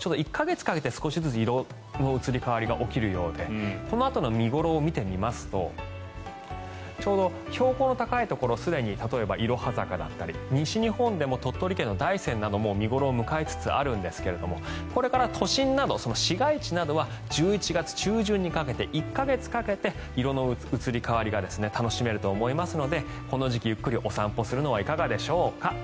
１か月かけて少しずつ色の移りが起きるようでこのあとの見頃を見てみますとちょうど標高の高いところ例えばいろは坂だったり西日本でも鳥取県の大山など見頃を迎えていますが都心や市街地などは１１月中旬にかけて１か月かけて色の移り変わりが楽しめると思いますのでこの時期ゆっくりお散歩するのはいかがでしょうか。